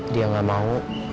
dia gak mau